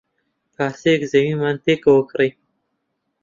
پارچەیەک زەویمان پێکەوە کڕی.